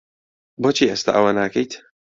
بۆچی ئێستا ئەوە ناکەیت؟